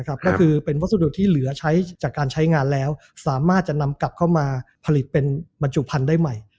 ก็คือเป็นวัสดุที่เหลือใช้จากการใช้งานแล้วสามารถจะนำกลับเข้ามาผลิตเป็นบรรจุพันธุ์ได้ใหม่